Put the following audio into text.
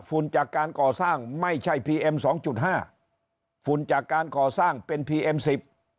จากการก่อสร้างไม่ใช่พีเอ็มสองจุดห้าฝุ่นจากการก่อสร้างเป็นพีเอ็มสิบ